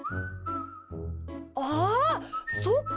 あそっか！